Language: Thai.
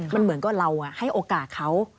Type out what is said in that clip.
มันเหมือนกับเราให้โอกาสเขา